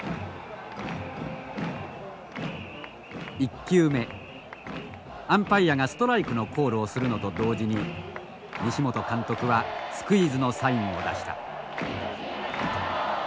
１球目アンパイアがストライクのコールをするのと同時に西本監督はスクイズのサインを出した。